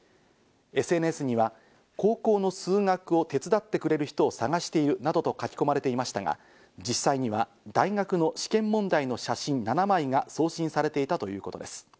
ＳＮＳには高校の数学を手伝ってくれる人を探しているなどと書き込まれていましたが、実際には大学の試験問題の写真７枚が送信されていたということです。